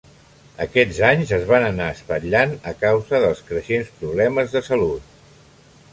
Aquests anys es van anar espatllant a causa dels creixents problemes de salut.